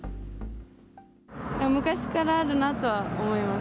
昔からあるなとは思います。